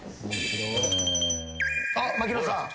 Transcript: あっ槙野さん。